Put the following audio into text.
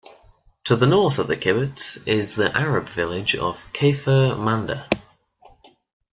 To the north of the kibbutz is the Arab village of Kafr Manda.